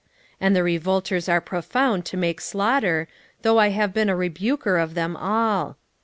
5:2 And the revolters are profound to make slaughter, though I have been a rebuker of them all.